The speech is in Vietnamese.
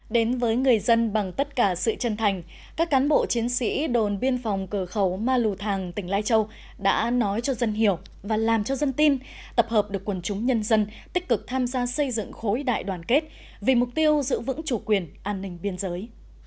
đến với người dân bằng tất cả sự chân thành các cán bộ chiến sĩ đồn biên phòng cờ khẩu ma lù thàng tỉnh lai châu đã nói cho dân hiểu và làm cho dân tin tập hợp được quần chúng nhân dân tích cực tham gia xây dựng khối đại đoàn kết vì mục tiêu giữ vững chủ quyền an ninh biên giới